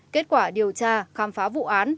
kết quả điều tra khám phá vụ án